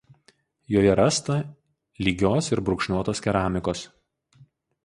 Joje rasta lygios ir brūkšniuotos keramikos.